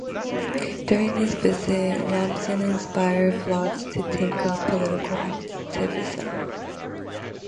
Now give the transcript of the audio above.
During this visit, Robeson inspired Faulds to take up political activism.